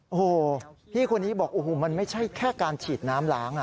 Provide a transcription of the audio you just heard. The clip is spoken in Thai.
โอ้โหพี่คนนี้บอกโอ้โหมันไม่ใช่แค่การฉีดน้ำล้าง